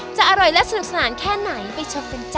จะอร่อยและสนุกสนานแค่ไหนไปชมกันจ้